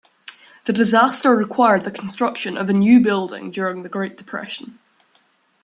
The disaster required the construction of a new building during the Great Depression.